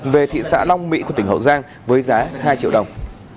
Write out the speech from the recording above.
về thị xã long mỹ của tỉnh hậu giang với giá hai triệu đồng